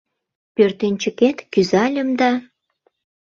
Пӧртӧнчыкет кӱзальым да